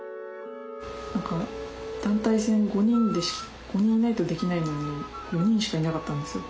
何か団体戦５人で５人いないとできないのに４人しかいなかったんですよ。